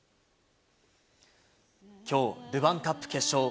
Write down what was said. きょう、ルヴァンカップ決勝。